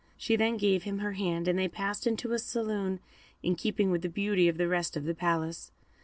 She then gave him her hand, and they passed into a saloon in keeping with the beauty of the rest of the palace.